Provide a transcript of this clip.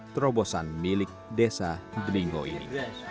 terobosan milik desa delingo ini